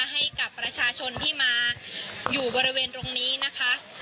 ให้กับประชาชนที่มาอยู่บริเวณตรงนี้นะคะ